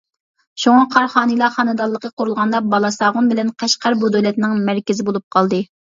شۇڭا، قاراخانىيلار خانىدانلىقى قۇرۇلغاندا بالاساغۇن بىلەن قەشقەر بۇ دۆلەتنىڭ مەركىزى بولۇپ قالدى.